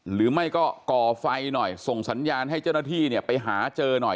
หรือไม่ก็ก่อไฟหน่อยส่งสัญญาณให้เจ้าหน้าที่เนี่ยไปหาเจอหน่อย